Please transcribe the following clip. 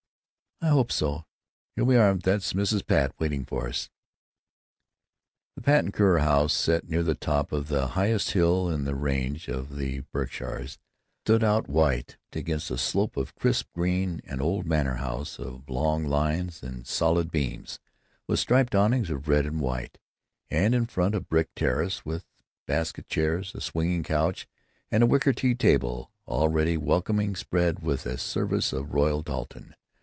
"I hope so. Here we are! That's Mrs. Pat waiting for us." The Patton Kerr house, set near the top of the highest hill in that range of the Berkshires, stood out white against a slope of crisp green; an old manor house of long lines and solid beams, with striped awnings of red and white, and in front a brick terrace, with basket chairs, a swinging couch, and a wicker tea table already welcomingly spread with a service of Royal Doulton.